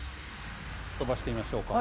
飛ばしてみましょうか。